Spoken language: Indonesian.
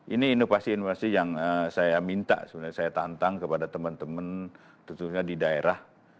ini inovasi inovasi yang saya minta sebenarnya saya tantang kepada teman teman khususnya di daerah